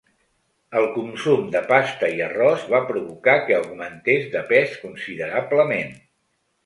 El consum de pasta i arròs va provocar que augmentés de pes considerablement.